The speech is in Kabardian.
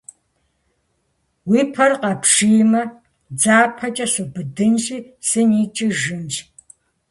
- Уи пэр къэпшиймэ, дзапэкӏэ субыдынщи, сыникӏыжынщ.